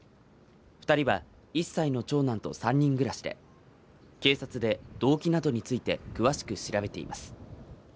２人は、１歳の長男と３人暮らしで警察で、動機などについて詳しく調べています。